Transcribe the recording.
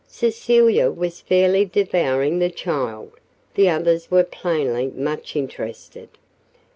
Cecilia was fairly "devouring the child." The others were plainly much interested.